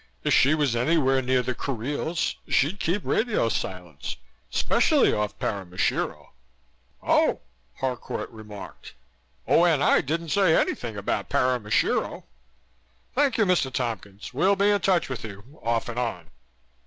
"If she was anywhere near the Kuriles, she'd keep radio silence, specially off Paramushiro." "Oh!" Harcourt remarked. "O.N.I. didn't say anything about Paramushiro. Thank you, Mr. Tompkins. We'll be in touch with you, off and on."